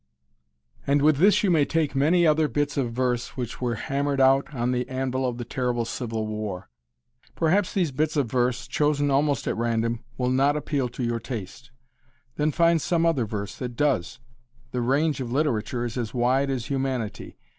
And with this you may take many other bits of verse which were hammered out on the anvil of the terrible Civil War. Perhaps these bits of verse chosen almost at random will not appeal to your taste. Then find some other verse that does. The range of literature is as wide as humanity.